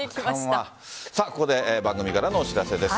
ここで番組からのお知らせです。